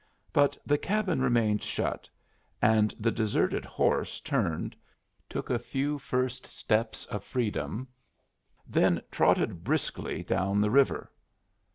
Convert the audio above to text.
But the cabin remained shut, and the deserted horse turned, took a few first steels of freedom, then trotted briskly down the river.